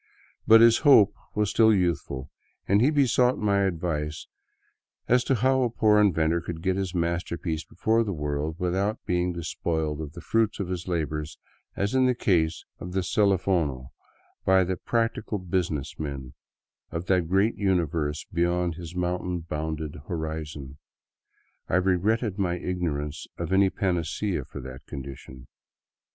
But his hope was still youthful, and he besought my advice as to how a poor inventor could get his masterpiece before the world without being despoiled of the fruits of his labors, as in the case of the " celifono," by the " practical business men " of that great universe beyond his mountain bounded horizon. I regretted my ignorance of any panacea for that condition.